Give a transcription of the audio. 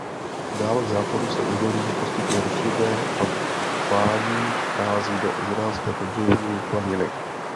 Dál k západu se údolí postupně rozšiřuje a vádí vchází do Izraelské pobřežní planiny.